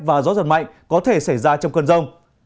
và gió giật mạnh có thể xảy ra trong cơn rông